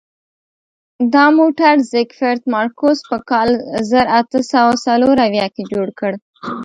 دا موټر زیکفرد مارکوس په کال زر اته سوه څلور اویا کې جوړ کړ.